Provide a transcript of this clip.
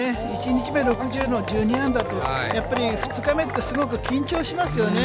１日目６０の１２アンダーと、やっぱり２日目ってすごく緊張しますよね。